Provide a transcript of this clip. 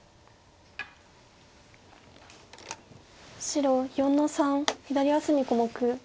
白４の三左上隅小目。